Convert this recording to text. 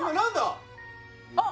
あっ！